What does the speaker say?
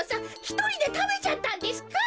ひとりでたべちゃったんですか？